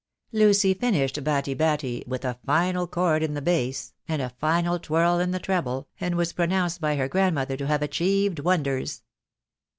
Lucy finished "Batti, batti," with a final chord in the bass and a final twirl in the treble, and was pronounced by her grandmother to have achieved wonders.